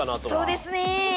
そうですね。